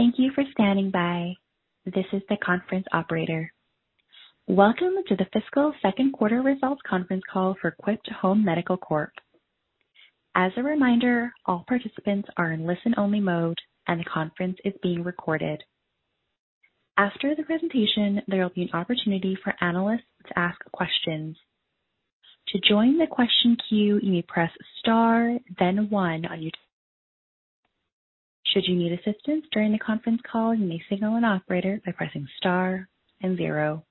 Thank you for standing by. This is the conference operator. Welcome to the fiscal second quarter results conference call for Quipt Home Medical Corp. As a reminder, all participants are in listen-only mode, and the conference is being recorded. After the presentation, there will be an opportunity for analysts to ask questions. To join the question queue, you may press star then one. Should you need assistance during the conference call, you may signal an operator by pressing star and zero.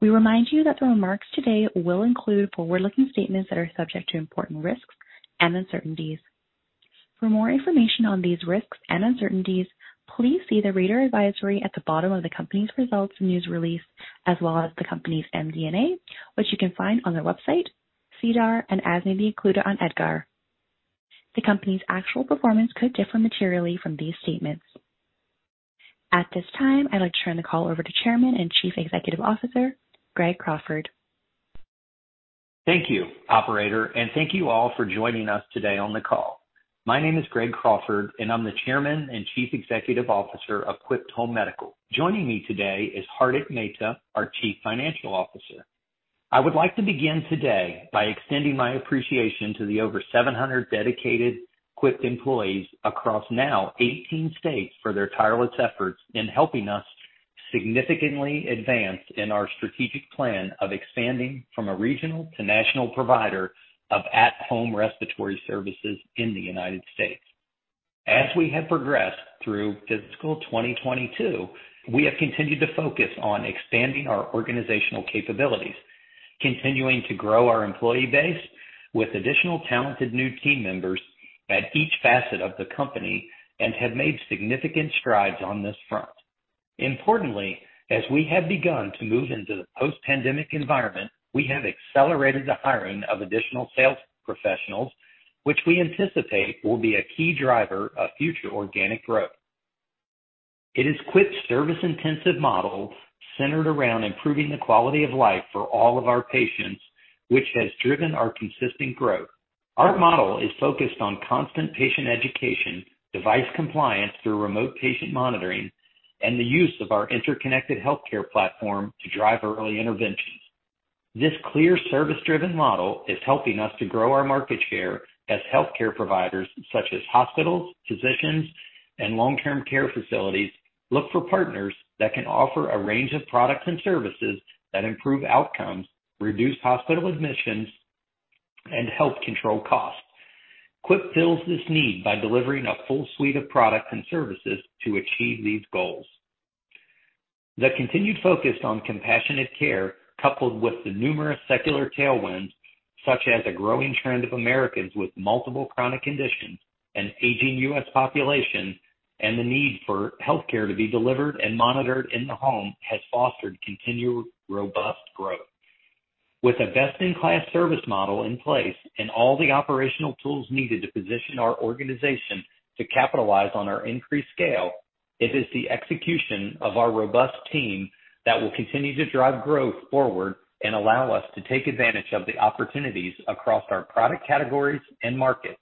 We remind you that the remarks today will include forward-looking statements that are subject to important risks and uncertainties. For more information on these risks and uncertainties, please see the reader advisory at the bottom of the company's results news release as well as the company's MD&A, which you can find on their website, SEDAR, and as may be included on EDGAR. The company's actual performance could differ materially from these statements. At this time, I'd like to turn the call over to Chairman and Chief Executive Officer, Greg Crawford. Thank you, operator, and thank you all for joining us today on the call. My name is Greg Crawford, and I'm the Chairman and Chief Executive Officer of Quipt Home Medical. Joining me today is Hardik Mehta, our Chief Financial Officer. I would like to begin today by extending my appreciation to the over 700 dedicated Quipt employees across now 18 states for their tireless efforts in helping us significantly advance in our strategic plan of expanding from a regional to national provider of at-home respiratory services in the United States. As we have progressed through fiscal 2022, we have continued to focus on expanding our organizational capabilities, continuing to grow our employee base with additional talented new team members at each facet of the company, and have made significant strides on this front. Importantly, as we have begun to move into the post-pandemic environment, we have accelerated the hiring of additional sales professionals, which we anticipate will be a key driver of future organic growth. It is Quipt's service-intensive model centered around improving the quality of life for all of our patients, which has driven our consistent growth. Our model is focused on constant patient education, device compliance through remote patient monitoring, and the use of our interconnected healthcare platform to drive early interventions. This clear service-driven model is helping us to grow our market share as healthcare providers such as hospitals, physicians, and long-term care facilities look for partners that can offer a range of products and services that improve outcomes, reduce hospital admissions, and help control costs. Quipt fills this need by delivering a full suite of products and services to achieve these goals. The continued focus on compassionate care, coupled with the numerous secular tailwinds such as a growing trend of Americans with multiple chronic conditions, an aging U.S. population, and the need for healthcare to be delivered and monitored in the home, has fostered continued robust growth. With a best-in-class service model in place and all the operational tools needed to position our organization to capitalize on our increased scale, it is the execution of our robust team that will continue to drive growth forward and allow us to take advantage of the opportunities across our product categories and markets.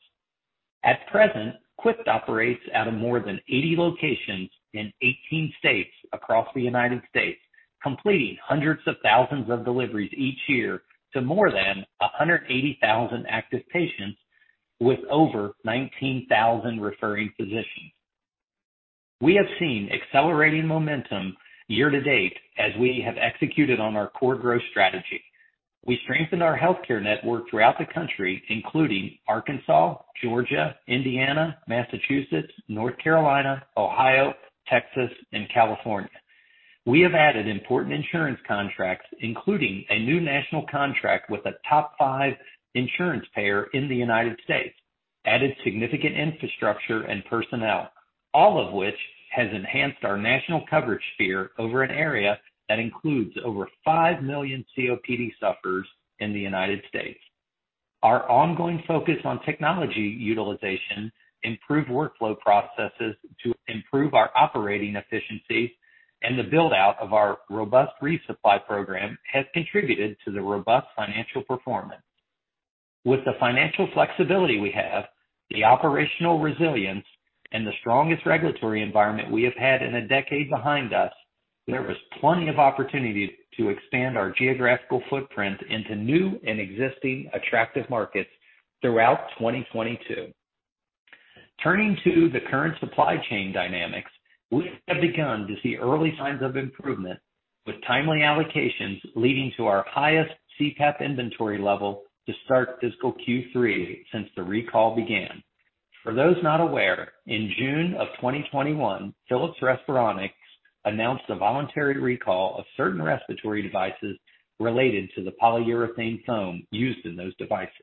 At present, Quipt operates out of more than 80 locations in 18 states across the United States, completing hundreds of thousands of deliveries each year to more than 180,000 active patients with over 19,000 referring physicians. We have seen accelerating momentum year-to-date as we have executed on our core growth strategy. We strengthened our healthcare network throughout the country, including Arkansas, Georgia, Indiana, Massachusetts, North Carolina, Ohio, Texas, and California. We have added important insurance contracts, including a new national contract with a top five insurance payer in the United States, added significant infrastructure and personnel, all of which has enhanced our national coverage sphere over an area that includes over 5 million COPD sufferers in the United States. Our ongoing focus on technology utilization, improved workflow processes to improve our operating efficiency, and the build-out of our robust resupply program has contributed to the robust financial performance. With the financial flexibility we have, the operational resilience, and the strongest regulatory environment we have had in a decade behind us, there is plenty of opportunity to expand our geographical footprint into new and existing attractive markets throughout 2022. Turning to the current supply chain dynamics, we have begun to see early signs of improvement, with timely allocations leading to our highest CPAP inventory level to start fiscal Q3 since the recall began. For those not aware, in June of 2021, Philips Respironics announced a voluntary recall of certain respiratory devices related to the polyurethane foam used in those devices.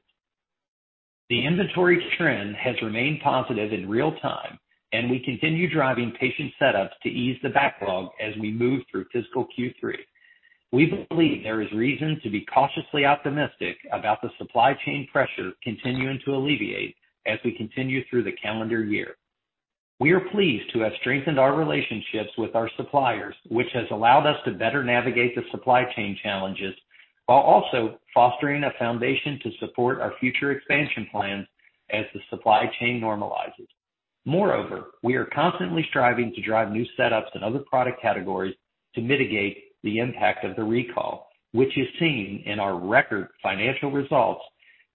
The inventory trend has remained positive in real time, and we continue driving patient setups to ease the backlog as we move through fiscal Q3. We believe there is reason to be cautiously optimistic about the supply chain pressure continuing to alleviate as we continue through the calendar year. We are pleased to have strengthened our relationships with our suppliers, which has allowed us to better navigate the supply chain challenges. While also fostering a foundation to support our future expansion plans as the supply chain normalizes. Moreover, we are constantly striving to drive new setups in other product categories to mitigate the impact of the recall, which is seen in our record financial results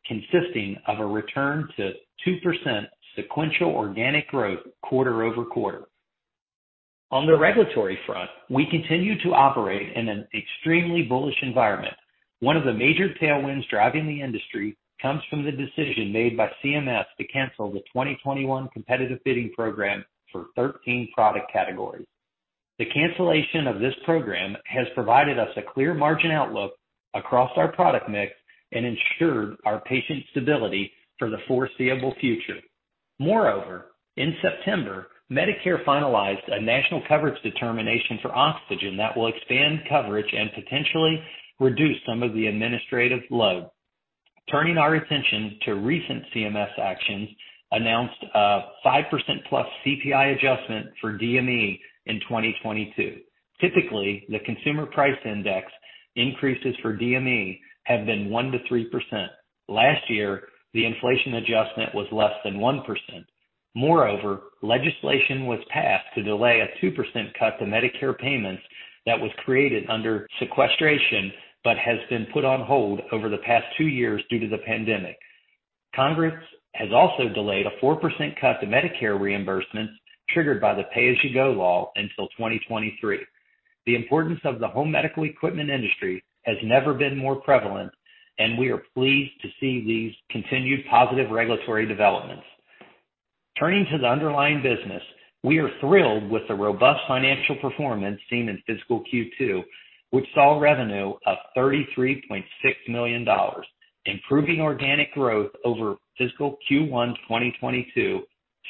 consisting of a return to 2% sequential organic growth quarter over quarter. On the regulatory front, we continue to operate in an extremely bullish environment. One of the major tailwinds driving the industry comes from the decision made by CMS to cancel the 2021 Competitive Bidding Program for 13 product categories. The cancellation of this program has provided us a clear margin outlook across our product mix and ensured our patient stability for the foreseeable future. Moreover, in September, Medicare finalized a National Coverage Determination for oxygen that will expand coverage and potentially reduce some of the administrative load. Turning our attention to recent CMS actions, announced a 5%+ CPI adjustment for DME in 2022. Typically, the consumer price index increases for DME have been 1%-3%. Last year, the inflation adjustment was less than 1%. Moreover, legislation was passed to delay a 2% cut to Medicare payments that was created under sequestration but has been put on hold over the past two years due to the pandemic. Congress has also delayed a 4% cut to Medicare reimbursements triggered by the Pay-As-You-Go Act until 2023. The importance of the home medical equipment industry has never been more prevalent, and we are pleased to see these continued positive regulatory developments. Turning to the underlying business, we are thrilled with the robust financial performance seen in fiscal Q2, which saw revenue of $33.6 million, improving organic growth over fiscal Q1 2022,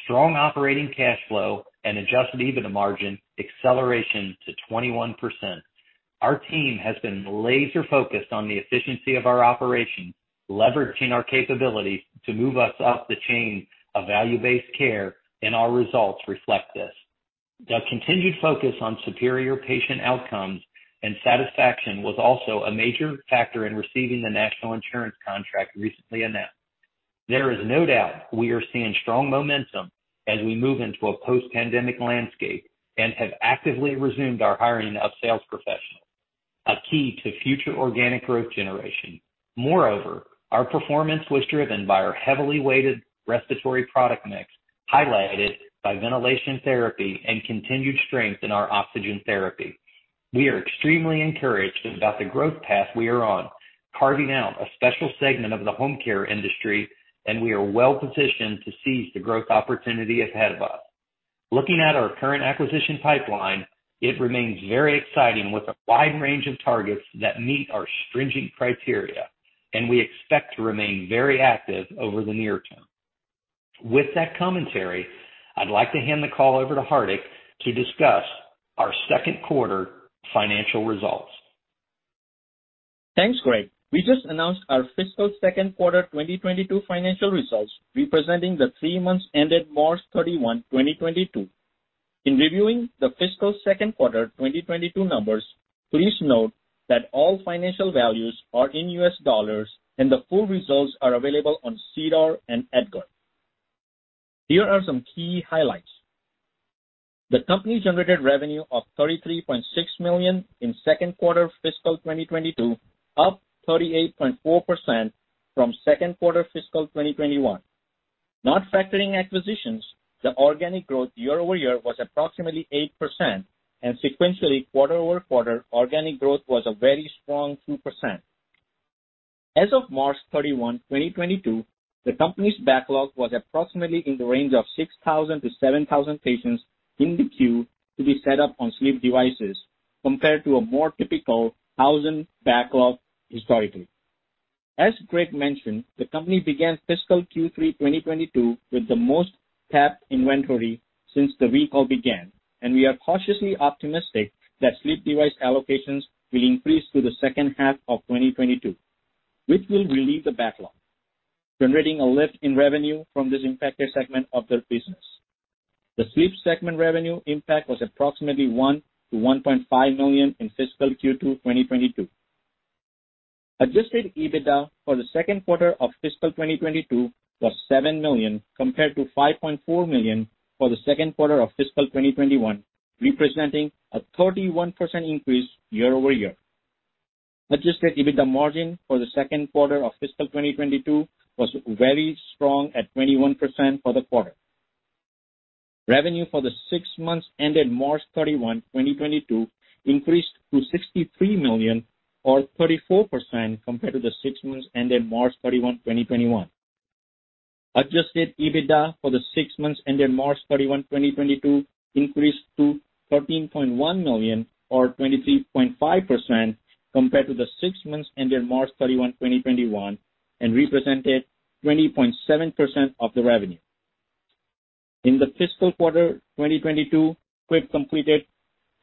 strong operating cash flow and adjusted EBITDA margin acceleration to 21%. Our team has been laser-focused on the efficiency of our operations, leveraging our capabilities to move us up the chain of value-based care, and our results reflect this. The continued focus on superior patient outcomes and satisfaction was also a major factor in receiving the national insurance contract recently announced. There is no doubt we are seeing strong momentum as we move into a post-pandemic landscape and have actively resumed our hiring of sales professionals, a key to future organic growth generation. Moreover, our performance was driven by our heavily weighted respiratory product mix, highlighted by ventilation therapy and continued strength in our oxygen therapy. We are extremely encouraged about the growth path we are on, carving out a special segment of the home care industry, and we are well positioned to seize the growth opportunity ahead of us. Looking at our current acquisition pipeline, it remains very exciting with a wide range of targets that meet our stringent criteria, and we expect to remain very active over the near term. With that commentary, I'd like to hand the call over to Hardik to discuss our second quarter financial results. Thanks, Greg. We just announced our fiscal second quarter 2022 financial results, representing the three months ended March 31, 2022. In reviewing the fiscal second quarter 2022 numbers, please note that all financial values are in US dollars, and the full results are available on SEDAR and EDGAR. Here are some key highlights. The company generated revenue of $33.6 million in second quarter fiscal 2022, up 38.4% from second quarter fiscal 2021. Not factoring acquisitions, the organic growth year-over-year was approximately 8%, and sequentially, quarter-over-quarter, organic growth was a very strong 2%. As of March 31, 2022, the company's backlog was approximately in the range of 6,000-7,000 patients in the queue to be set up on sleep devices, compared to a more typical 1,000 backlog historically. As Greg mentioned, the company began fiscal Q3 2022 with the most tapped inventory since the recall began, and we are cautiously optimistic that sleep device allocations will increase through the second half of 2022, which will relieve the backlog, generating a lift in revenue from this impacted segment of their business. The sleep segment revenue impact was approximately $1-$1.5 million in fiscal Q2 2022. Adjusted EBITDA for the second quarter of fiscal 2022 was $7 million compared to $5.4 million for the second quarter of fiscal 2021, representing a 31% increase year-over-year. Adjusted EBITDA margin for the second quarter of fiscal 2022 was very strong at 21% for the quarter. Revenue for the six months ended March 31, 2022 increased to $63 million or 34% compared to the six months ended March 31, 2021. Adjusted EBITDA for the six months ended March 31, 2022 increased to $13.1 million or 23.5% compared to the six months ended March 31, 2021 and represented 20.7% of the revenue. In the fiscal quarter 2022, Quipt completed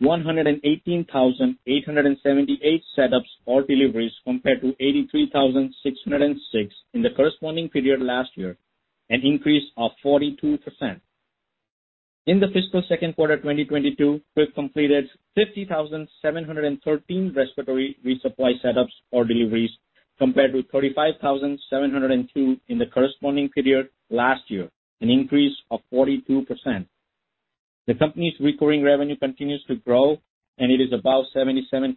118,878 setups or deliveries compared to 83,606 in the corresponding period last year, an increase of 42%. In the fiscal second quarter 2022, we've completed 50,713 respiratory resupply setups or deliveries compared with 35,702 in the corresponding period last year, an increase of 42%. The company's recurring revenue continues to grow, and it is about 77%.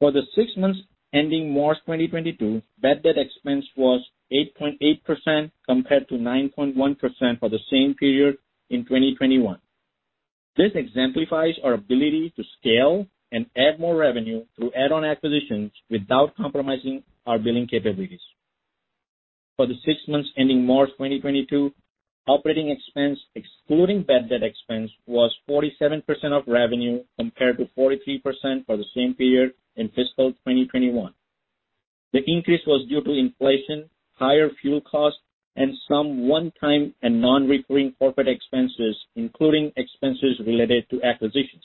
For the six months ending March 2022, bad debt expense was 8.8% compared to 9.1% for the same period in 2021. This exemplifies our ability to scale and add more revenue through add-on acquisitions without compromising our billing capabilities. For the six months ending March 2022, operating expense excluding bad debt expense was 47% of revenue, compared to 43% for the same period in fiscal 2021. The increase was due to inflation, higher fuel costs, and some one-time and non-recurring corporate expenses, including expenses related to acquisitions.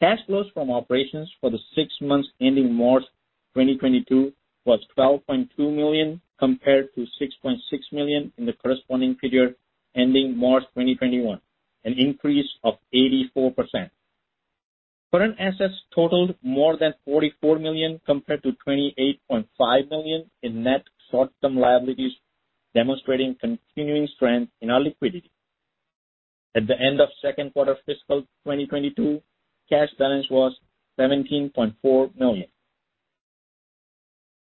Cash flows from operations for the six months ending March 2022 was $12.2 million compared to $6.6 million in the corresponding period ending March 2021, an increase of 84%. Current assets totaled more than $44 million compared to $28.5 million in net short-term liabilities, demonstrating continuing strength in our liquidity. At the end of second quarter of fiscal 2022, cash balance was $17.4 million.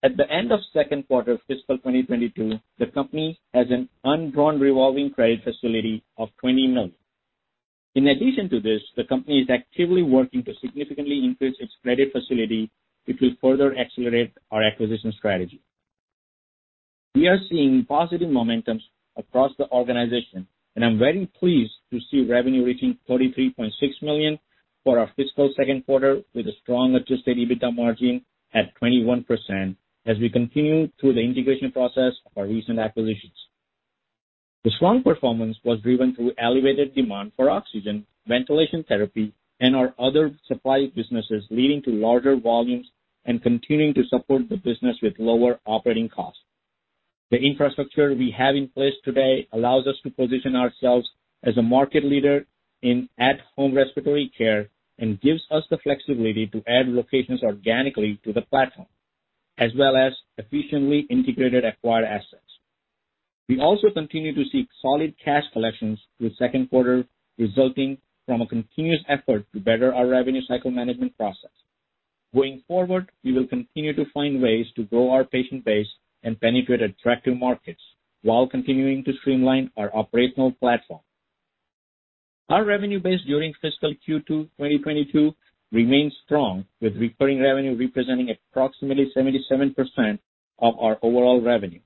At the end of second quarter of fiscal 2022, the company has an undrawn revolving credit facility of $20 million. In addition to this, the company is actively working to significantly increase its credit facility, which will further accelerate our acquisition strategy. We are seeing positive momentums across the organization, and I'm very pleased to see revenue reaching $43.6 million for our fiscal second quarter with a strong adjusted EBITDA margin at 21% as we continue through the integration process of our recent acquisitions. The strong performance was driven through elevated demand for oxygen, ventilation therapy, and our other supply businesses, leading to larger volumes and continuing to support the business with lower operating costs. The infrastructure we have in place today allows us to position ourselves as a market leader in at-home respiratory care and gives us the flexibility to add locations organically to the platform, as well as efficiently integrated acquired assets. We also continue to see solid cash collections through second quarter, resulting from a continuous effort to better our revenue cycle management process. Going forward, we will continue to find ways to grow our patient base and penetrate attractive markets while continuing to streamline our operational platform. Our revenue base during fiscal Q2 2022 remains strong, with recurring revenue representing approximately 77% of our overall revenue.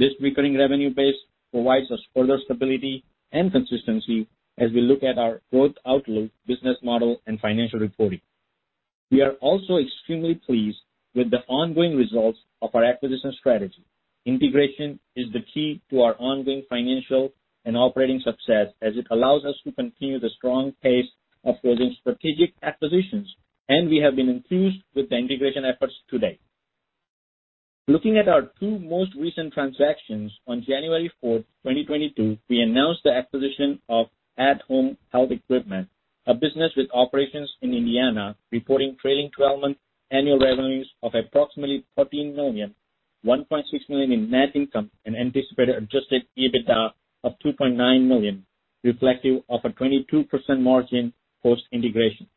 This recurring revenue base provides us further stability and consistency as we look at our growth outlook, business model, and financial reporting. We are also extremely pleased with the ongoing results of our acquisition strategy. Integration is the key to our ongoing financial and operating success as it allows us to continue the strong pace of closing strategic acquisitions, and we have been enthused with the integration efforts to date. Looking at our two most recent transactions, on January 4, 2022, we announced the acquisition of At Home Health Equipment, a business with operations in Indiana, reporting trailing twelve-month annual revenues of approximately $13 million, $1.6 million in net income, and anticipated adjusted EBITDA of $2.9 million, reflective of a 22% margin post-integration.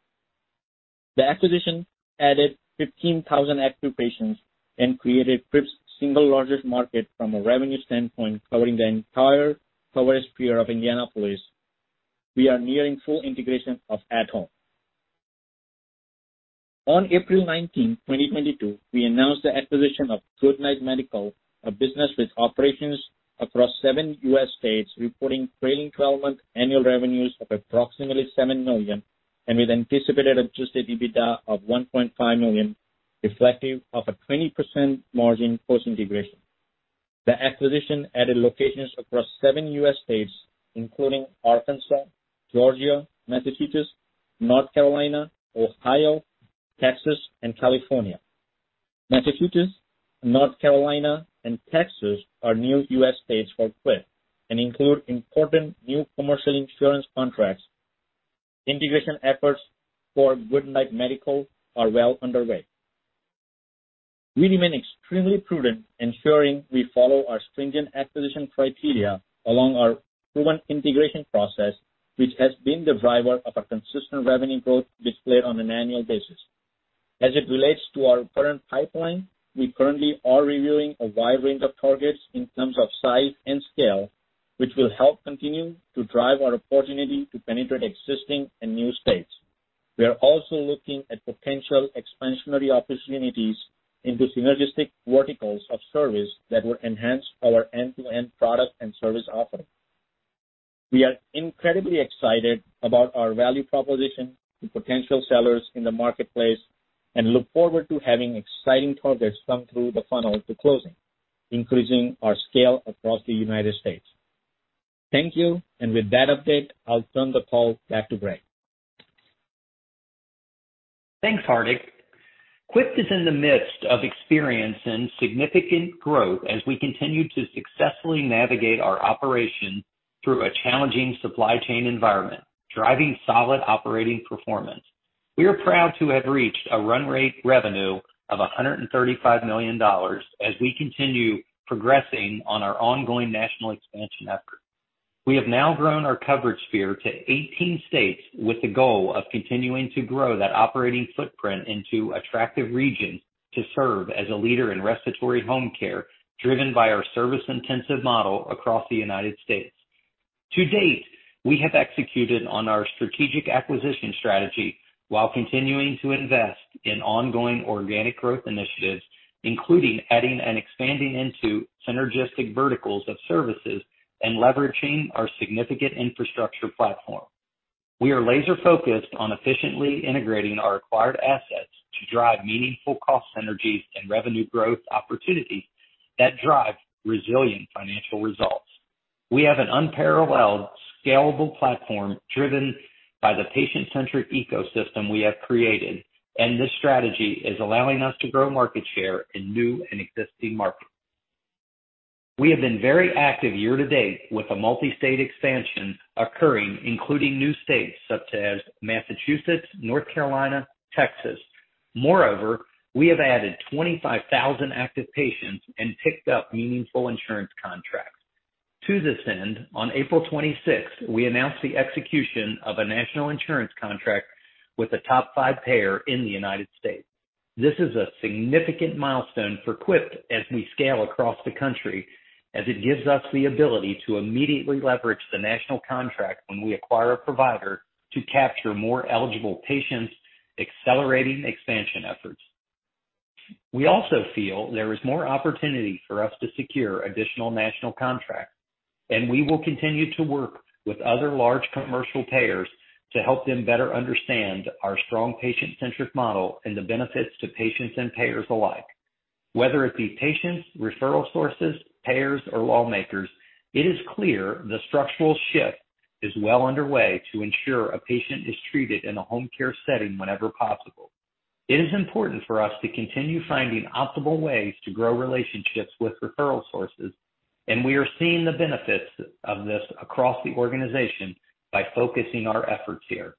The acquisition added 15,000 active patients and created Quipt's single largest market from a revenue standpoint, covering the entire coverage sphere of Indianapolis. We are nearing full integration of At Home. On April 19, 2022, we announced the acquisition of Good Night Medical, a business with operations across 7 U.S. states, reporting trailing twelve-month annual revenues of approximately $7 million and with anticipated adjusted EBITDA of $1.5 million, reflective of a 20% margin post-integration. The acquisition added locations across 7 U.S. states, including Arkansas, Georgia, Massachusetts, North Carolina, Ohio, Texas, and California. Massachusetts, North Carolina, and Texas are new U.S. states for Quipt and include important new commercial insurance contracts. Integration efforts for Good Night Medical are well underway. We remain extremely prudent, ensuring we follow our stringent acquisition criteria along our proven integration process, which has been the driver of a consistent revenue growth displayed on an annual basis. As it relates to our current pipeline, we currently are reviewing a wide range of targets in terms of size and scale, which will help continue to drive our opportunity to penetrate existing and new states. We are also looking at potential expansionary opportunities into synergistic verticals of service that will enhance our end-to-end product and service offering. We are incredibly excited about our value proposition to potential sellers in the marketplace and look forward to having exciting targets come through the funnel to closing, increasing our scale across the United States. Thank you. With that update, I'll turn the call back to Greg. Thanks, Hardik. Quipt is in the midst of experiencing significant growth as we continue to successfully navigate our operation through a challenging supply chain environment, driving solid operating performance. We are proud to have reached a run rate revenue of $135 million as we continue progressing on our ongoing national expansion effort. We have now grown our coverage sphere to 18 states with the goal of continuing to grow that operating footprint into attractive regions to serve as a leader in respiratory home care, driven by our service-intensive model across the United States. To date, we have executed on our strategic acquisition strategy while continuing to invest in ongoing organic growth initiatives, including adding and expanding into synergistic verticals of services and leveraging our significant infrastructure platform. We are laser-focused on efficiently integrating our acquired assets to drive meaningful cost synergies and revenue growth opportunities that drive resilient financial results. We have an unparalleled, scalable platform driven by the patient-centric ecosystem we have created, and this strategy is allowing us to grow market share in new and existing markets. We have been very active year-to-date with a multi-state expansion occurring, including new states such as Massachusetts, North Carolina, Texas. Moreover, we have added 25,000 active patients and picked up meaningful insurance contracts. To this end, on April twenty-sixth, we announced the execution of a national insurance contract with a top five payer in the United States. This is a significant milestone for Quipt as we scale across the country, as it gives us the ability to immediately leverage the national contract when we acquire a provider to capture more eligible patients, accelerating expansion efforts. We also feel there is more opportunity for us to secure additional national contracts, and we will continue to work with other large commercial payers to help them better understand our strong patient-centric model and the benefits to patients and payers alike. Whether it be patients, referral sources, payers, or lawmakers, it is clear the structural shift is well underway to ensure a patient is treated in a home care setting whenever possible. It is important for us to continue finding optimal ways to grow relationships with referral sources, and we are seeing the benefits of this across the organization by focusing our efforts here.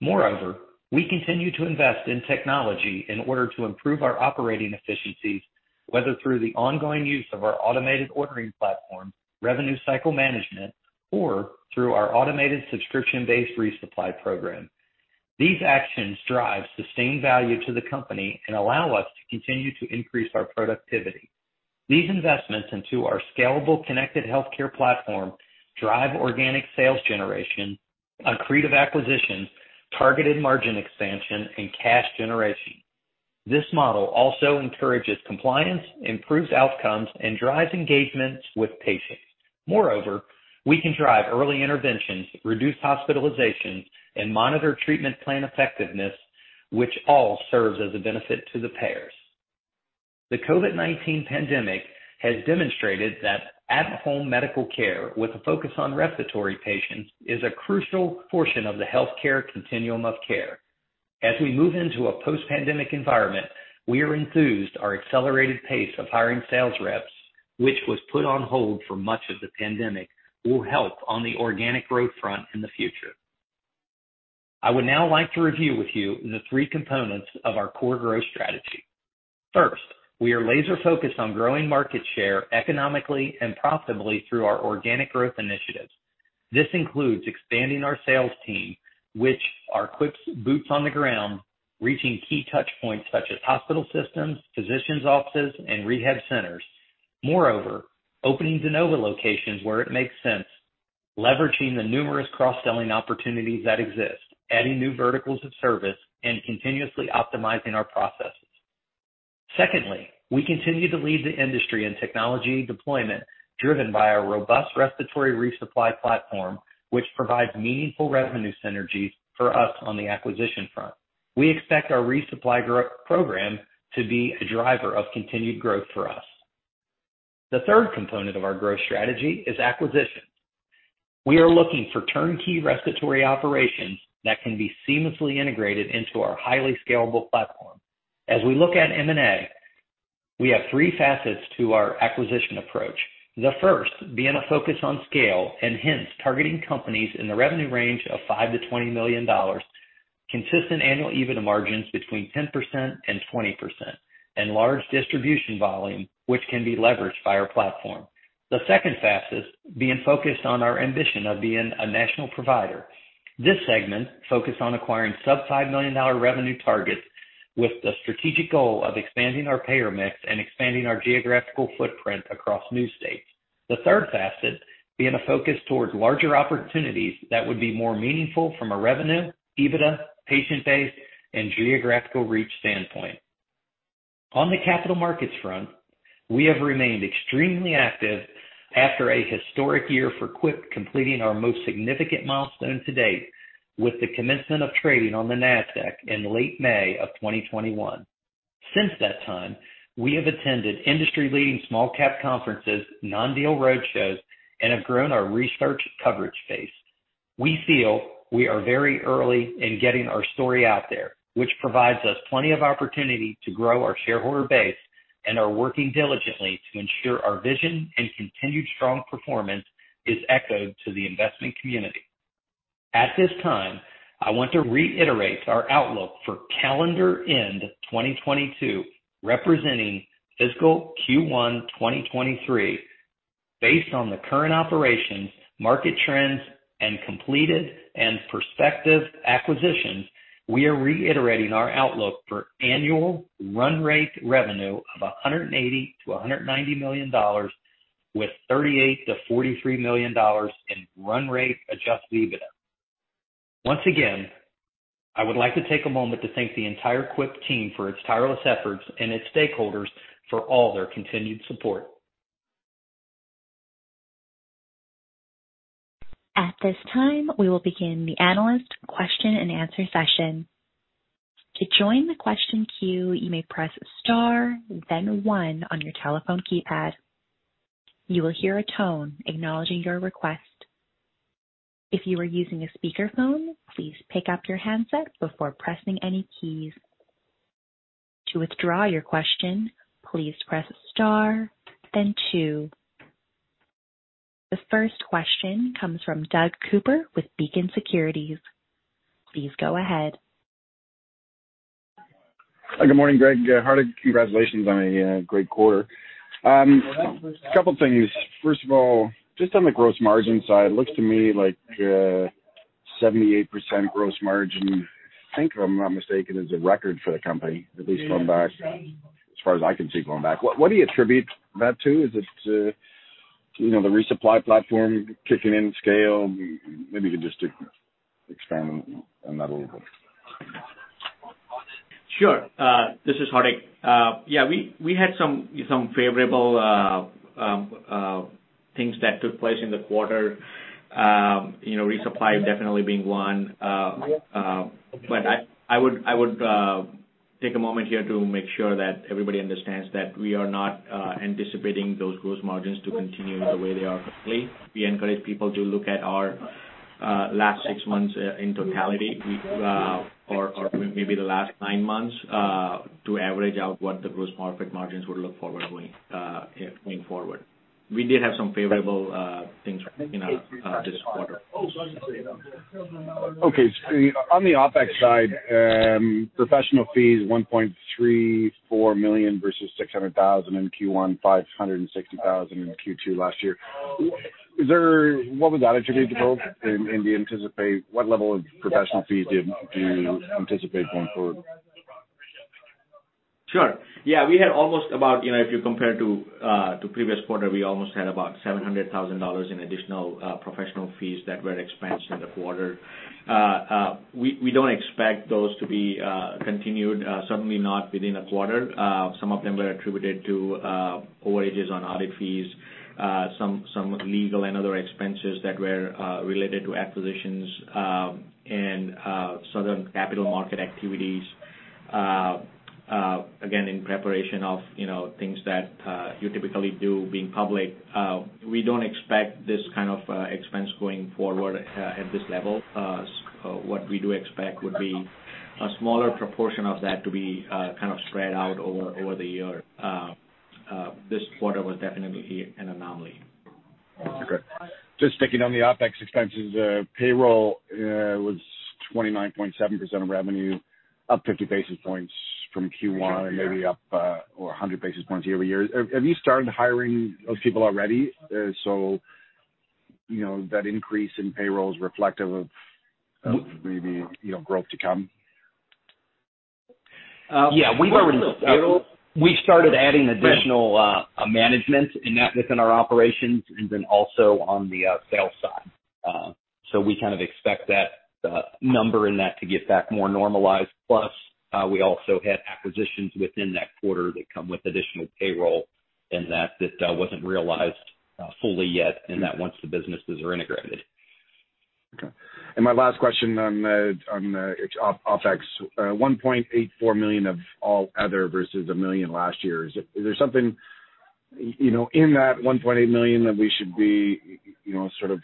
Moreover, we continue to invest in technology in order to improve our operating efficiencies, whether through the ongoing use of our automated ordering platform, revenue cycle management, or through our automated subscription-based resupply program. These actions drive sustained value to the company and allow us to continue to increase our productivity. These investments into our scalable connected healthcare platform drive organic sales generation, accretive acquisitions, targeted margin expansion, and cash generation. This model also encourages compliance, improves outcomes, and drives engagements with patients. Moreover, we can drive early interventions, reduce hospitalizations, and monitor treatment plan effectiveness, which all serves as a benefit to the payers. The COVID-19 pandemic has demonstrated that at-home medical care with a focus on respiratory patients is a crucial portion of the healthcare continuum of care. As we move into a post-pandemic environment, we are enthused that our accelerated pace of hiring sales reps, which was put on hold for much of the pandemic, will help on the organic growth front in the future. I would now like to review with you the three components of our core growth strategy. First, we are laser-focused on growing market share economically and profitably through our organic growth initiatives. This includes expanding our sales team, which are Quipt's boots on the ground, reaching key touch points such as hospital systems, physicians' offices, and rehab centers. Moreover, opening de novo locations where it makes sense, leveraging the numerous cross-selling opportunities that exist, adding new verticals of service, and continuously optimizing our processes. Secondly, we continue to lead the industry in technology deployment driven by our robust respiratory resupply platform, which provides meaningful revenue synergies for us on the acquisition front. We expect our resupply growth program to be a driver of continued growth for us. The third component of our growth strategy is acquisitions. We are looking for turnkey respiratory operations that can be seamlessly integrated into our highly scalable platform. As we look at M&A, we have three facets to our acquisition approach. The first being a focus on scale and hence targeting companies in the revenue range of $5-$20 million, consistent annual EBITDA margins between 10% and 20%, and large distribution volume which can be leveraged by our platform. The second facet being focused on our ambition of being a national provider. This segment focused on acquiring sub-$5 million revenue targets with the strategic goal of expanding our payer mix and expanding our geographical footprint across new states. The third facet being a focus towards larger opportunities that would be more meaningful from a revenue, EBITDA, patient base, and geographical reach standpoint. On the capital markets front, we have remained extremely active after a historic year for Quipt, completing our most significant milestone to date with the commencement of trading on the Nasdaq in late May 2021. Since that time, we have attended industry-leading small-cap conferences, non-deal roadshows, and have grown our research coverage base. We feel we are very early in getting our story out there, which provides us plenty of opportunity to grow our shareholder base and are working diligently to ensure our vision and continued strong performance is echoed to the investment community. At this time, I want to reiterate our outlook for calendar end 2022, representing fiscal Q1 2023. Based on the current operations, market trends, and completed and prospective acquisitions, we are reiterating our outlook for annual run rate revenue of $180 million-$190 million with $38 million-$43 million in run rate adjusted EBITDA. Once again, I would like to take a moment to thank the entire Quipt team for its tireless efforts and its stakeholders for all their continued support. The first question comes from Doug Cooper with Beacon Securities. Please go ahead. Good morning, Greg. Hardik, congratulations on a great quarter. A couple things. First of all, just on the gross margin side, looks to me like 78% gross margin, I think if I'm not mistaken, is a record for the company, at least going back, as far as I can see going back. What do you attribute that to? Is it, you know, the Resupply platform kicking in scale? Maybe you can just expand on that a little bit. Sure. This is Hardik. Yeah, we had some favorable things that took place in the quarter. You know, Resupply definitely being one. I would take a moment here to make sure that everybody understands that we are not anticipating those gross margins to continue the way they are currently. We encourage people to look at our last six months in totality, or maybe the last nine months, to average out what the gross profit margins would look like going forward. We did have some favorable things in this quarter. Okay. On the OpEx side, professional fees, $1.34 million versus $600,000 in Q1, $560,000 in Q2 last year. What would that be attributed to both in the anticipated? What level of professional fees do you anticipate going forward? Sure. Yeah, we had almost about, you know, if you compare to previous quarter, we almost had about $700,000 in additional professional fees that were expensed in the quarter. We don't expect those to be continued, certainly not within a quarter. Some of them were attributed to overages on audit fees, some legal and other expenses that were related to acquisitions, and some of the capital market activities, again, in preparation of, you know, things that you typically do being public. We don't expect this kind of expense going forward, at this level. What we do expect would be a smaller proportion of that to be kind of spread out over the year. This quarter was definitely an anomaly. Okay. Just sticking on the OpEx expenses, payroll was 29.7% of revenue, up 50 basis points from Q1, and maybe up or 100 basis points year-over-year. Have you started hiring those people already? You know, that increase in payroll is reflective of maybe, you know, growth to come? Yeah. We were in the payroll. We started adding additional management in that within our operations and then also on the sales side. We kind of expect that number in that to get back more normalized. Plus, we also had acquisitions within that quarter that come with additional payroll and that wasn't realized fully yet and that once the businesses are integrated. Okay. My last question on OpEx, $1.84 million of all other versus $1 million last year. Is there something, you know, in that $1.84 million that we should be, you know, sort of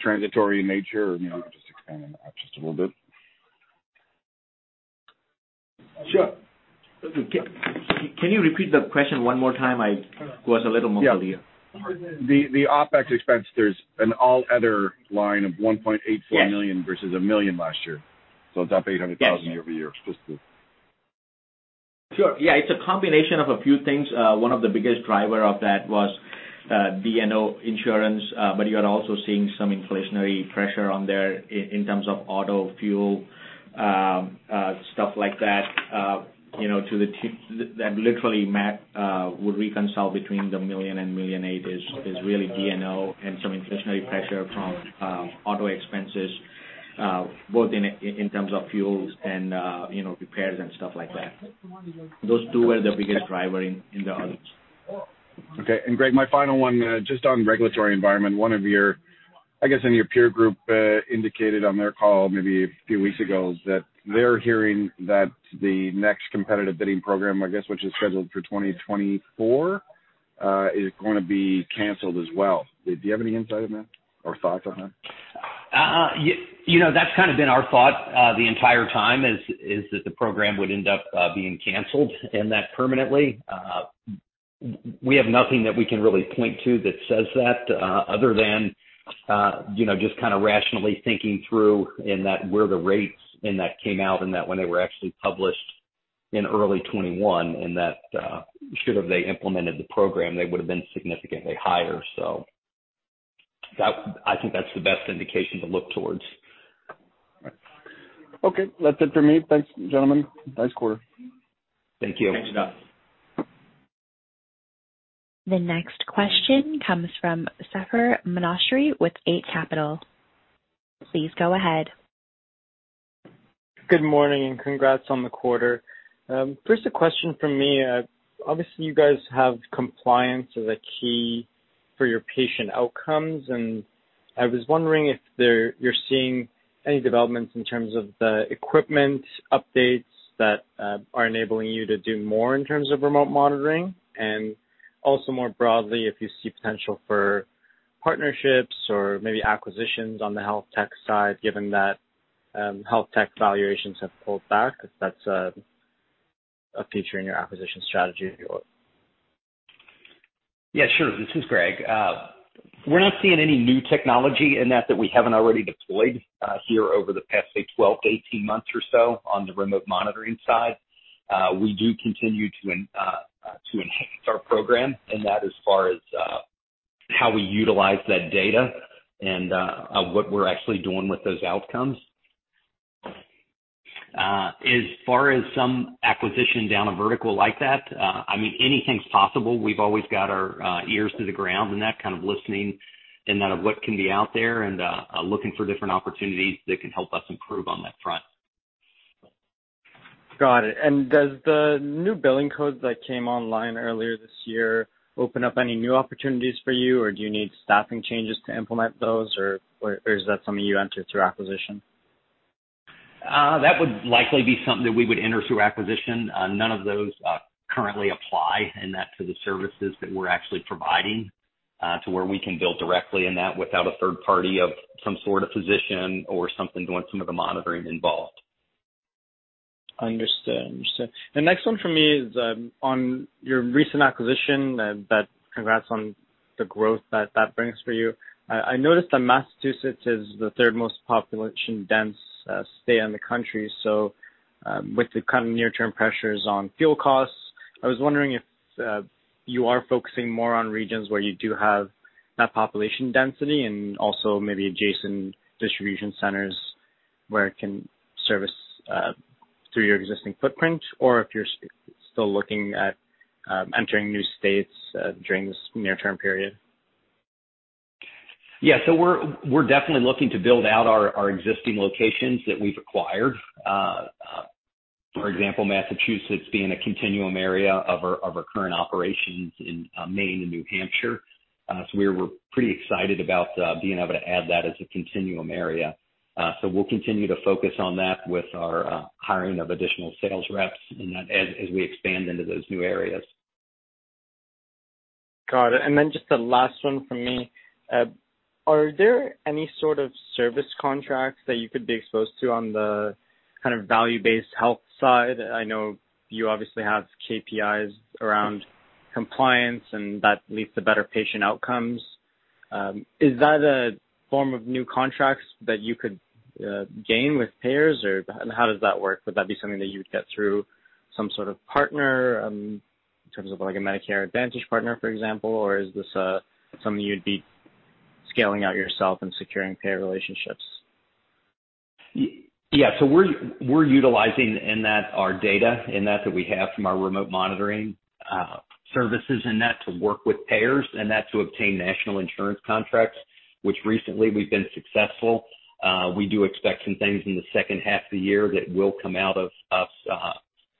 transitory in nature? You know, just expand on that just a little bit. Sure. Can you repeat the question one more time? I was a little muffled here. The OpEx expense, there's an all other line of $1.84 million. Yes. versus $1 million last year. It's up $800,000 year-over-year. Sure. Yeah. It's a combination of a few things. One of the biggest driver of that was D&O Insurance, but you're also seeing some inflationary pressure on there in terms of auto fuel, stuff like that, you know. That literally the gap would reconcile between $1 million and $1.8 million is really D&O and some inflationary pressure from auto expenses, both in terms of fuels and, you know, repairs and stuff like that. Those two were the biggest driver in the audits. Okay. Greg, my final one, just on regulatory environment. One of your, I guess, in your peer group, indicated on their call maybe a few weeks ago that they're hearing that the next Competitive Bidding Program, I guess, which is scheduled for 2024, is gonna be canceled as well. Do you have any insight on that or thoughts on that? You know, that's kind of been our thought the entire time, is that the program would end up being canceled, and that permanently. We have nothing that we can really point to that says that, other than you know, just kinda rationally thinking through and that where the rates and that came out and that when they were actually published in early 2021 and that, should have they implemented the program, they would have been significantly higher. That I think that's the best indication to look towards. Okay. That's it for me. Thanks, gentlemen. Nice quarter. Thank you. Thanks a lot. The next question comes from Sefer Menashe with Eight Capital. Please go ahead. Good morning, and congrats on the quarter. First a question from me. Obviously, you guys have compliance as a key for your patient outcomes, and I was wondering if you're seeing any developments in terms of the equipment updates that are enabling you to do more in terms of remote monitoring. Also more broadly, if you see potential for partnerships or maybe acquisitions on the health tech side, given that health tech valuations have pulled back, if that's a feature in your acquisition strategy or. Yeah, sure. This is Greg. We're not seeing any new technology in that we haven't already deployed here over the past, say, 12-18 months or so on the remote monitoring side. We do continue to enhance our program, and that as far as how we utilize that data and what we're actually doing with those outcomes. As far as some acquisition down a vertical like that, I mean, anything's possible. We've always got our ears to the ground and that kind of listening and that of what can be out there and looking for different opportunities that can help us improve on that front. Got it. Does the new billing codes that came online earlier this year open up any new opportunities for you, or do you need staffing changes to implement those, or is that something you enter through acquisition? That would likely be something that we would enter through acquisition. None of those currently apply in that to the services that we're actually providing to where we can bill directly in that without a third party of some sort of physician or something doing some of the monitoring involved. Understand. The next one for me is on your recent acquisition and that congrats on the growth that that brings for you. I noticed that Massachusetts is the third most population-dense state in the country. With the kind of near-term pressures on fuel costs, I was wondering if you are focusing more on regions where you do have that population density and also maybe adjacent distribution centers where it can service through your existing footprint, or if you're still looking at entering new states during this near-term period. Yeah. We're definitely looking to build out our existing locations that we've acquired. For example, Massachusetts being a contiguous area of our current operations in Maine and New Hampshire. We're pretty excited about being able to add that as a contiguous area. We'll continue to focus on that with our hiring of additional sales reps as we expand into those new areas. Got it. Just the last one from me. Are there any sort of service contracts that you could be exposed to on the kind of value-based health side? I know you obviously have KPIs around compliance and that leads to better patient outcomes. Is that a form of new contracts that you could gain with payers, or how does that work? Would that be something that you would get through some sort of partner, in terms of like a Medicare Advantage partner, for example? Or is this something you'd be scaling out yourself and securing payer relationships? Yeah. We're utilizing our data that we have from our remote monitoring services to work with payers to obtain national insurance contracts, which recently we've been successful. We do expect some things in the second half of the year that will come out of us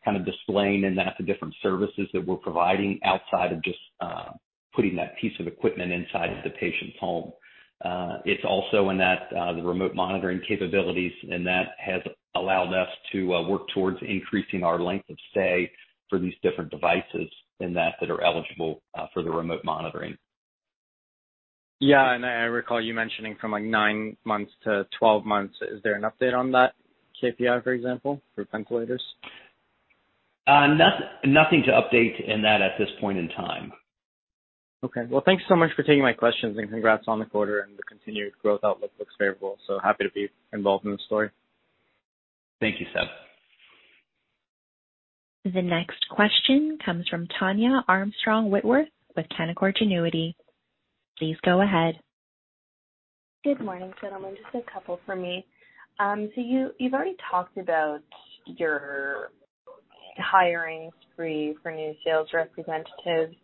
kind of displaying the different services that we're providing outside of just putting that piece of equipment inside the patient's home. It's also the remote monitoring capabilities, and that has allowed us to work towards increasing our length of stay for these different devices that are eligible for the remote monitoring. Yeah. I recall you mentioning from like 9 months to 12 months. Is there an update on that KPI, for example, for ventilators? Nothing to update in that at this point in time. Okay. Well, thanks so much for taking my questions, and congrats on the quarter and the continued growth outlook. Looks favorable. Happy to be involved in the story. Thank you, Sefer. The next question comes from Tania Armstrong-Whitworth with Canaccord Genuity. Please go ahead. Good morning, gentlemen. Just a couple for me. You've already talked about your hiring spree for new sales representatives.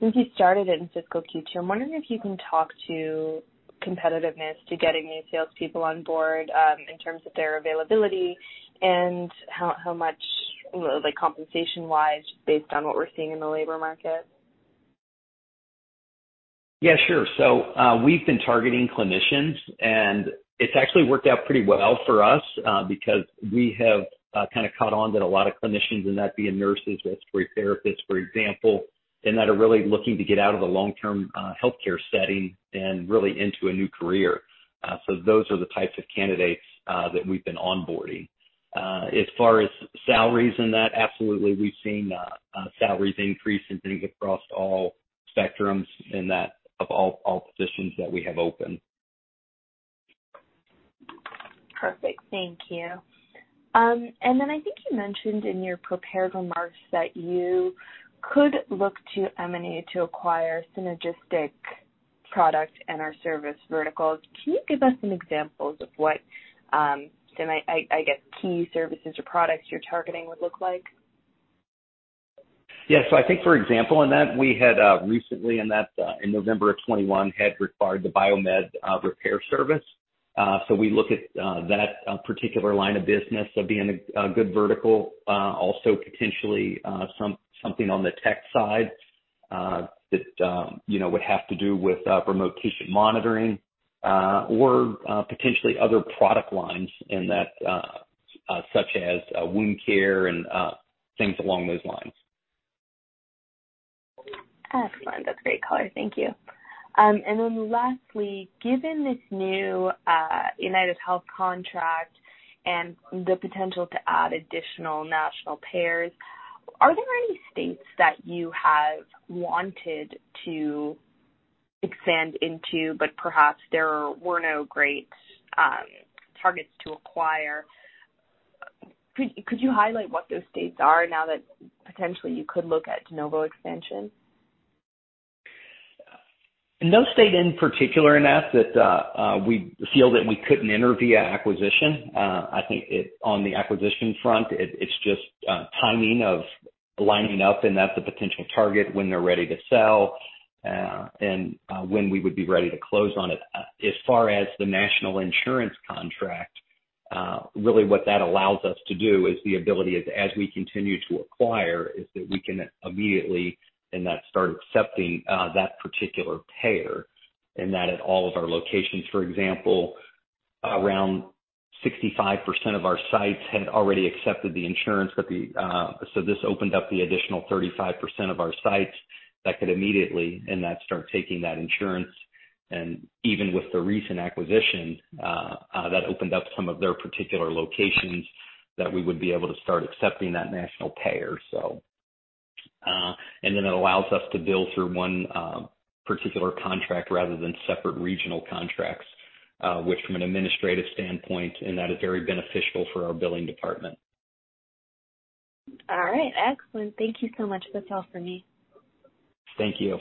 Since you started in fiscal Q2, I'm wondering if you can talk to competitiveness to getting new salespeople on board, in terms of their availability and how much like compensation wise, based on what we're seeing in the labor market? Yeah, sure. We've been targeting clinicians, and it's actually worked out pretty well for us, because we have kind of caught on that a lot of clinicians, and that being nurses, respiratory therapists, for example, and that are really looking to get out of the long-term healthcare setting and really into a new career. Those are the types of candidates that we've been onboarding. As far as salaries in that, absolutely. We've seen salaries increase, I think, across all spectrums in that of all positions that we have open. Perfect. Thank you. I think you mentioned in your prepared remarks that you could look to M&A to acquire synergistic product and/or service verticals. Can you give us some examples of what key services or products you're targeting would look like? I think, for example, we had recently in November of 2021 acquired the biomed repair service. We look at that particular line of business of being a good vertical. Also potentially something on the tech side that you know would have to do with remote patient monitoring or potentially other product lines in that such as wound care and things along those lines. Excellent. That's a great color. Thank you. Lastly, given this new UnitedHealth contract and the potential to add additional national payers, are there any states that you have wanted to expand into, but perhaps there were no great targets to acquire? Could you highlight what those states are now that potentially you could look at de novo expansion? No state in particular that we feel we couldn't enter via acquisition. I think on the acquisition front, it's just timing of lining up and that's a potential target when they're ready to sell, and when we would be ready to close on it. As far as the national insurance contract, really what that allows us to do is the ability as we continue to acquire, is that we can immediately start accepting that particular payer, and that at all of our locations. For example, around 65% of our sites had already accepted the insurance, but the. This opened up the additional 35% of our sites that could immediately start taking that insurance. Even with the recent acquisition, that opened up some of their particular locations that we would be able to start accepting that national payer. It allows us to bill through one particular contract rather than separate regional contracts, which from an administrative standpoint in that is very beneficial for our billing department. All right. Excellent. Thank you so much. That's all for me. Thank you.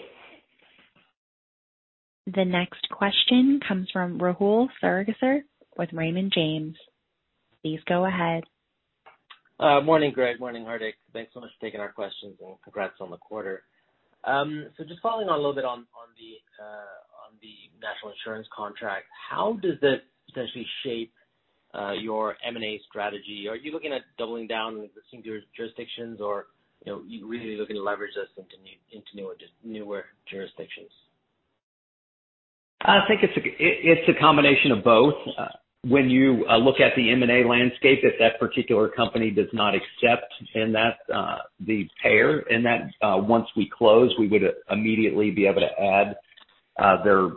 The next question comes from Rahul Sarugaser with Raymond James. Please go ahead. Morning, Greg. Morning, Hardik. Thanks so much for taking our questions, and congrats on the quarter. Just following on a little bit on the national insurance contract, how does that essentially shape your M&A strategy? Are you looking at doubling down in existing jurisdictions, or, you know, you really looking to leverage this into newer jurisdictions? I think it's a combination of both. When you look at the M&A landscape, if that particular company does not accept the payer, once we close, we would immediately be able to add their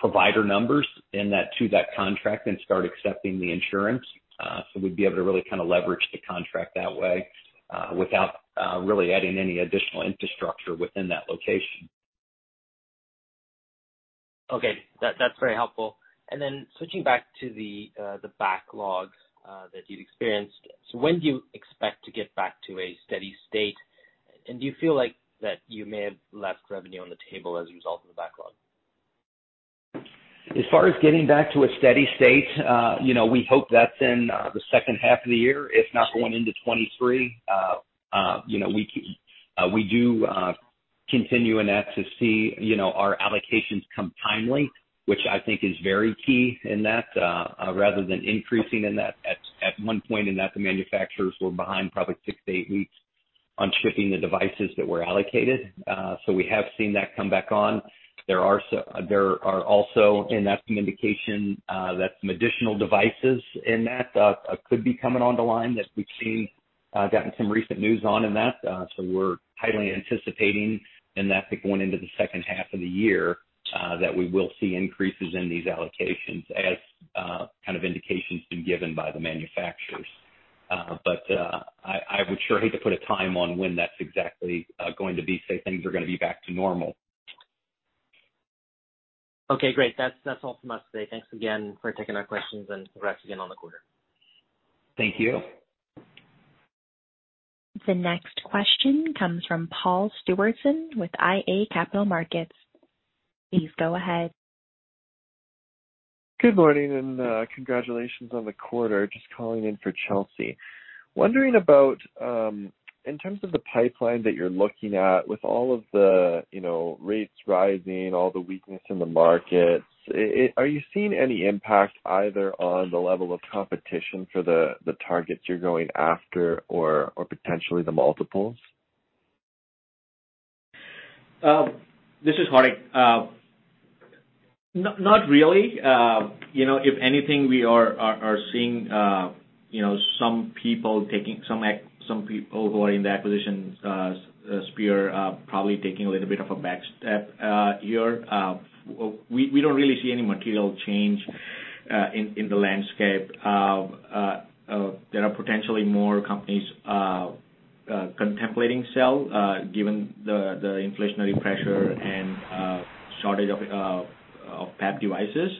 provider numbers to that contract and start accepting the insurance. We'd be able to really kind of leverage the contract that way, without really adding any additional infrastructure within that location. Okay. That's very helpful. Switching back to the backlogs that you'd experienced. When do you expect to get back to a steady state? Do you feel like that you may have left revenue on the table as a result of the backlog? As far as getting back to a steady state, you know, we hope that's in the second half of the year, if not going into 2023. You know, we do continue in that to see, you know, our allocations come timely, which I think is very key in that, rather than increasing in that. At one point in that the manufacturers were behind probably 6-8 weeks on shipping the devices that were allocated. So we have seen that come back on. There are also in that some indication that some additional devices in that could be coming onto line that we've seen gotten some recent news on in that. We're highly anticipating in that going into the second half of the year that we will see increases in these allocations as kind of indications been given by the manufacturers. I would sure hate to put a time on when that's exactly going to be, say things are gonna be back to normal. Okay, great. That's all from us today. Thanks again for taking our questions and congrats again on the quarter. Thank you. The next question comes from Paul Stewardson with iA Capital Markets. Please go ahead. Good morning and congratulations on the quarter. Just calling in for Chelsea. Wondering about. In terms of the pipeline that you're looking at, with all of the, you know, rates rising, all the weakness in the markets, are you seeing any impact either on the level of competition for the targets you're going after or potentially the multiples? This is Hardik. Not really. You know, if anything, we are seeing, you know, some people who are in the acquisitions sphere probably taking a little bit of a back step here. We don't really see any material change in the landscape. There are potentially more companies contemplating sale given the inflationary pressure and shortage of PAP devices.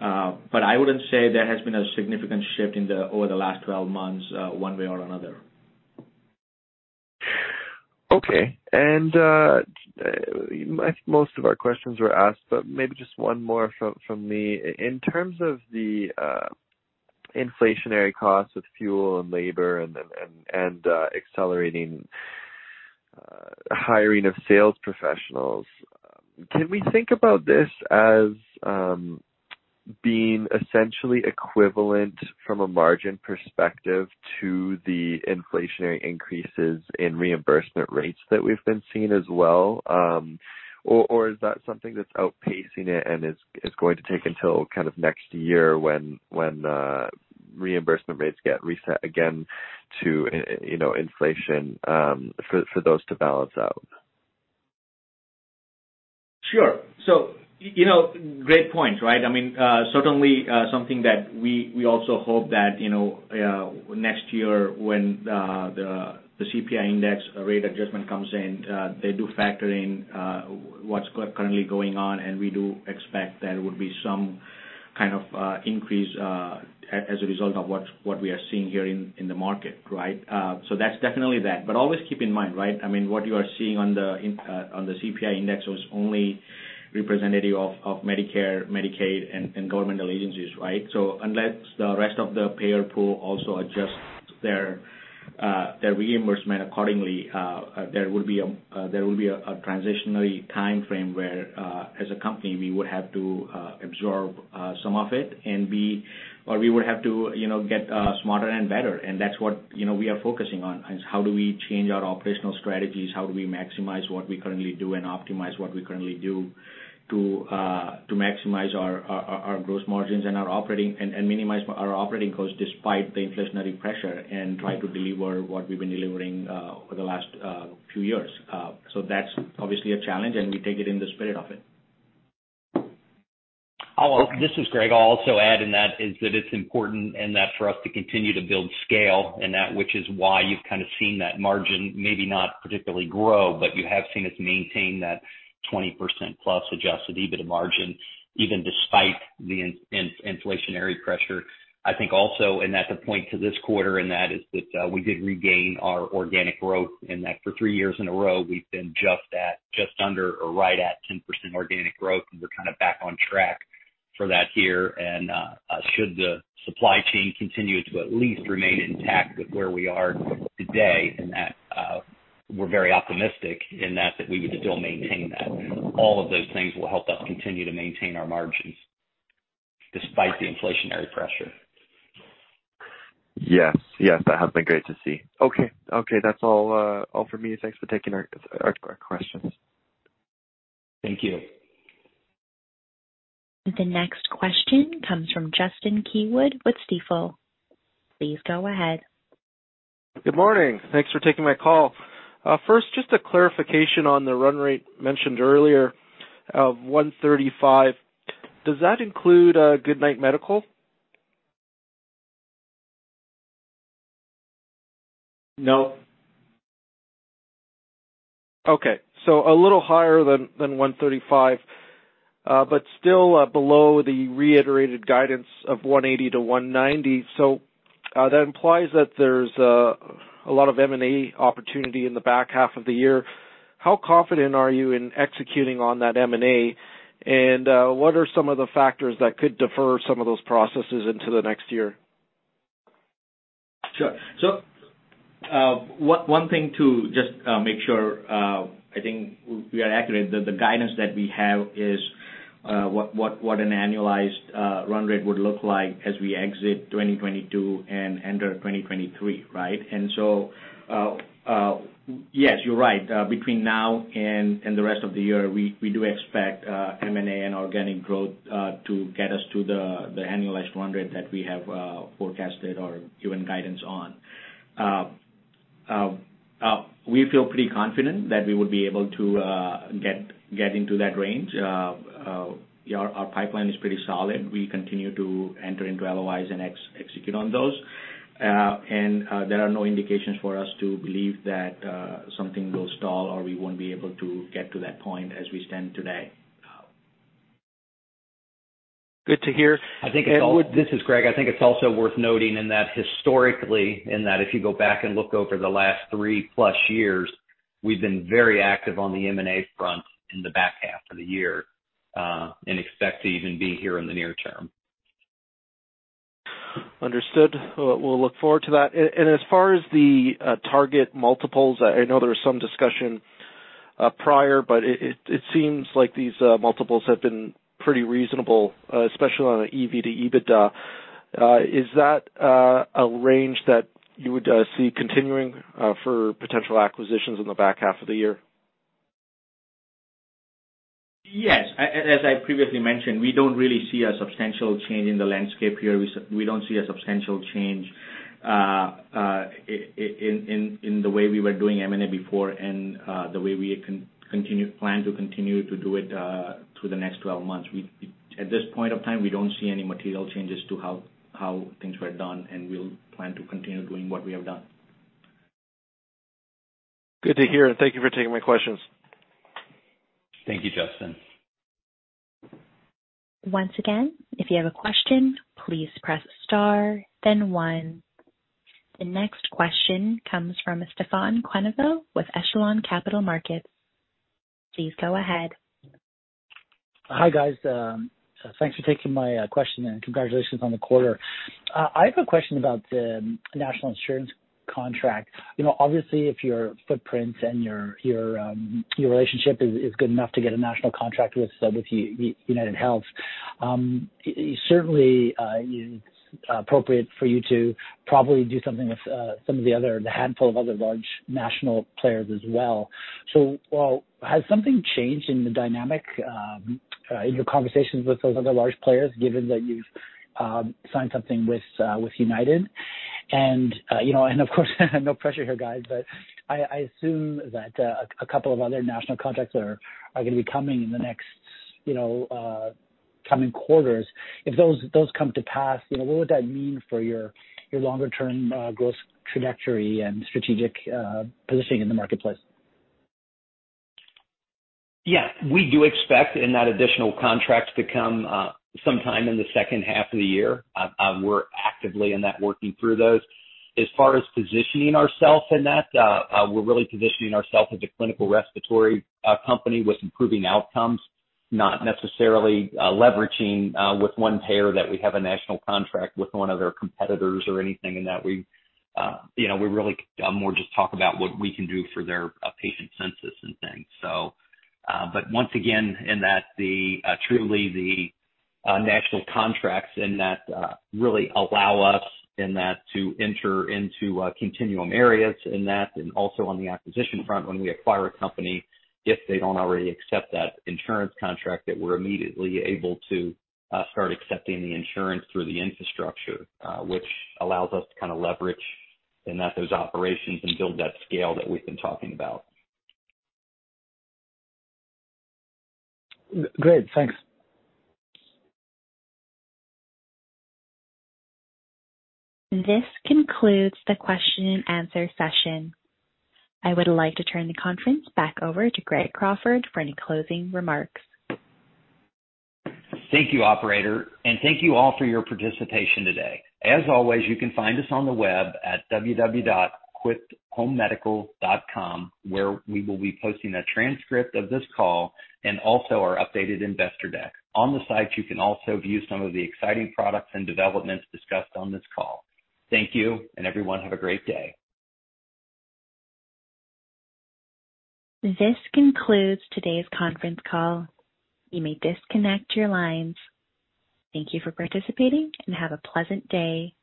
I wouldn't say there has been a significant shift over the last 12 months one way or another. Okay. I think most of our questions were asked, but maybe just one more from me. In terms of the inflationary costs with fuel and labor and then accelerating hiring of sales professionals, can we think about this as being essentially equivalent from a margin perspective to the inflationary increases in reimbursement rates that we've been seeing as well? Or is that something that's outpacing it and is going to take until kind of next year when reimbursement rates get reset again to, you know, inflation, for those to balance out? Sure. You know, great point, right? I mean, certainly, something that we also hope that, you know, next year when the CPI index rate adjustment comes in, they do factor in what's currently going on, and we do expect there would be some kind of increase as a result of what we are seeing here in the market, right? That's definitely that. Always keep in mind, right, I mean, what you are seeing on the CPI index was only representative of Medicare, Medicaid, and governmental agencies, right? Unless the rest of the payer pool also adjusts their reimbursement accordingly, there will be a transitional timeframe where, as a company, we would have to absorb some of it. Or we would have to, you know, get smarter and better. That's what, you know, we are focusing on, is how do we change our operational strategies, how do we maximize what we currently do and optimize what we currently do to maximize our gross margins and minimize our operating costs despite the inflationary pressure and try to deliver what we've been delivering over the last few years. That's obviously a challenge, and we take it in the spirit of it. This is Greg. I'll also add in that it's important for us to continue to build scale and that which is why you've kind of seen that margin maybe not particularly grow, but you have seen us maintain that 20%+ adjusted EBITDA margin even despite the inflationary pressure. I think also, that's a point to this quarter, and that is that we did regain our organic growth in that for three years in a row we've been just at, just under or right at 10% organic growth, and we're kind of back on track for that here. Should the supply chain continue to at least remain intact with where we are today and that we're very optimistic in that we would still maintain that. All of those things will help us continue to maintain our margins despite the inflationary pressure. Yes. Yes, that has been great to see. Okay. Okay, that's all for me. Thanks for taking our questions. Thank you. The next question comes from Justin Keywood with Stifel. Please go ahead. Good morning. Thanks for taking my call. First, just a clarification on the run rate mentioned earlier of $135. Does that include Good Night Medical? No. Okay. A little higher than 135, but still below the reiterated guidance of $180-$190. That implies that there's a lot of M&A opportunity in the back half of the year. How confident are you in executing on that M&A? And what are some of the factors that could defer some of those processes into the next year? Sure. One thing to just make sure, I think we are accurate. The guidance that we have is what an annualized run rate would look like as we exit 2022 and enter 2023, right? Yes, you're right. Between now and the rest of the year, we do expect M&A and organic growth to get us to the annualized run rate that we have forecasted or given guidance on. We feel pretty confident that we would be able to get into that range. Our pipeline is pretty solid. We continue to enter into LOIs and execute on those. There are no indications for us to believe that something will stall or we won't be able to get to that point as we stand today. Good to hear. Would- This is Greg. I think it's also worth noting in that historically, in that if you go back and look over the last 3+ years, we've been very active on the M&A front in the back half of the year, and expect to even be here in the near term. Understood. We'll look forward to that. As far as the target multiples, I know there was some discussion prior, but it seems like these multiples have been pretty reasonable, especially on an EV to EBITDA. Is that a range that you would see continuing for potential acquisitions in the back half of the year? Yes. As I previously mentioned, we don't really see a substantial change in the landscape here. We don't see a substantial change in the way we were doing M&A before and the way we continue to plan to continue to do it through the next 12 months. At this point in time, we don't see any material changes to how things were done, and we'll plan to continue doing what we have done. Good to hear. Thank you for taking my questions. Thank you, Justin. The next question comes from Stefan Quenneville with Echelon Capital Markets. Please go ahead. Hi, guys. Thanks for taking my question and congratulations on the quarter. I have a question about the national insurance contract. You know, obviously, if your footprints and your relationship is good enough to get a national contract with UnitedHealth, certainly it's appropriate for you to probably do something with some of the other handful of other large national players as well. Has something changed in the dynamic in your conversations with those other large players given that you've signed something with United? You know, and of course, no pressure here, guys, but I assume that a couple of other national contracts are gonna be coming in the next coming quarters. If those come to pass, you know, what would that mean for your longer-term growth trajectory and strategic positioning in the marketplace? Yeah. We do expect in that additional contract to come sometime in the second half of the year. We're actively in that working through those. As far as positioning ourselves in that, we're really positioning ourselves as a clinical respiratory company with improving outcomes, not necessarily leveraging with one payer that we have a national contract with one of their competitors or anything in that. We, you know, we really, we'll just talk about what we can do for their patient census and things. Once again, the national contracts really allow us to enter into continuum areas and also on the acquisition front when we acquire a company if they don't already accept that insurance contract, we're immediately able to start accepting the insurance through the infrastructure, which allows us to kind of leverage those operations and build that scale that we've been talking about. Great. Thanks. This concludes the question and answer session. I would like to turn the conference back over to Greg Crawford for any closing remarks. Thank you, operator, and thank you all for your participation today. As always, you can find us on the web at www.quipthomemedical.com, where we will be posting a transcript of this call and also our updated investor deck. On the site, you can also view some of the exciting products and developments discussed on this call. Thank you and everyone have a great day. This concludes today's conference call. You may disconnect your lines. Thank you for participating and have a pleasant day.